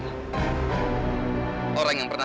beberapa kabar pasangan mereka